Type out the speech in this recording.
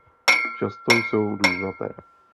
Často jsou dužnaté.